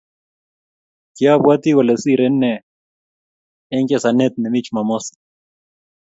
Kibwati kole sire nea eng chesanet nime chumamos.